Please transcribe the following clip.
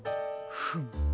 フム。